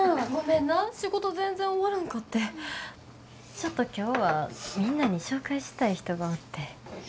ちょっと今日はみんなに紹介したい人がおって。